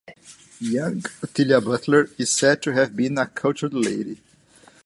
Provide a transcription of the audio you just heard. Young Otelia Butler is said to have been a cultured lady.